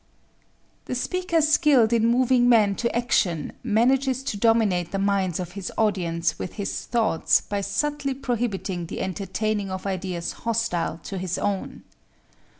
The speaker skilled in moving men to action manages to dominate the minds of his audience with his thoughts by subtly prohibiting the entertaining of ideas hostile to his own.